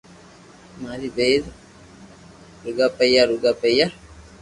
ماري ٻئير روگا پيئا روگا ئيئا